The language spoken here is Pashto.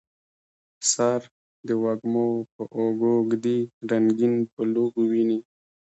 سر د وږمو په اوږو ږدي رنګیین بلوغ ویني